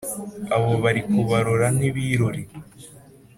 abo bari kubarora ni ibirori